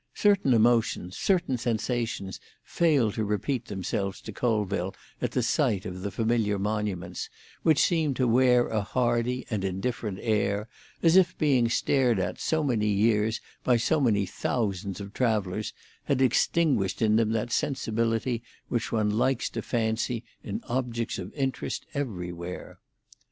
Certain emotions, certain sensations failed to repeat themselves to Colville at sight of the familiar monuments, which seemed to wear a hardy and indifferent air, as if being stared at so many years by so many thousands of travellers had extinguished in them that sensibility which one likes to fancy in objects of interest everywhere.